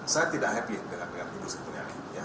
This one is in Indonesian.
saya tidak happy dengan hidup sri mulyani